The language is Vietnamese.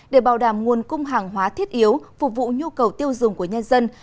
để bảo đảm nguồn cung hàng hóa thiết yếu phục vụ nhu cầu tiêu dùng của nhân dân